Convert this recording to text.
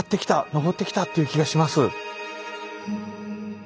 のぼってきたという気がします。